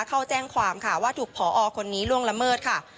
เข้าแจ้งความค่ะว่าถูกพอคนนี้ล่วงละเมิดค่ะ